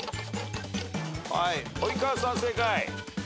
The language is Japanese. はい及川さん正解。